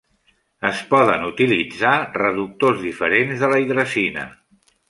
Es poden utilitzar reductors diferents de la hidrazina.